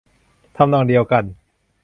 ทำนองเดียวกัน